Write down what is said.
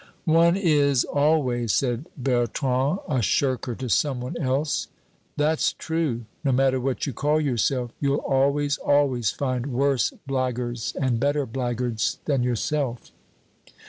"One is always," said Bertrand, "a shirker to some one else." "That's true; no matter what you call yourself, you'll always always find worse blackguards and better blackguards than yourself."